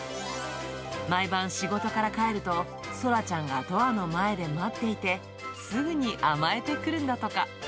毎晩、仕事から帰るとそらちゃんがドアの前で待っていて、すぐに甘えてくるんだとか。